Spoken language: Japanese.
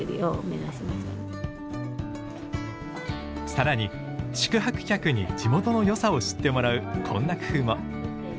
更に宿泊客に地元の良さを知ってもらうこんな工夫も。